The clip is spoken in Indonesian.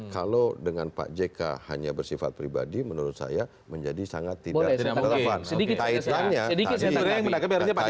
kalau dengan pak jk hanya bersifat pribadi menurut saya menjadi sangat tidak relevan kaitannya